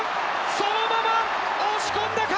そのまま押し込んだか。